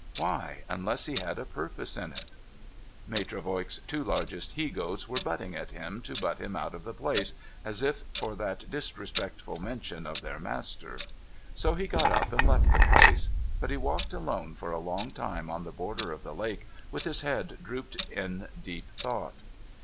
Why, unless he had a purpose in it?' Maitre Voigt's two largest he goats were butting at him to butt liim out of the place, as if for that disrespectful mention of their master. So he got up and left the place. But he walked alone for a long time on the border of the lake, with his head drooped in deep thought.